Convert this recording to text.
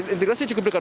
integrasinya cukup dekat